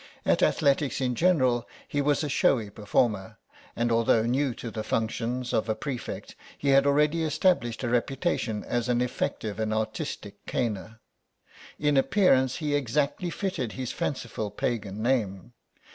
At athletics in general he was a showy performer, and although new to the functions of a prefect he had already established a reputation as an effective and artistic caner. In appearance he exactly fitted his fanciful Pagan name.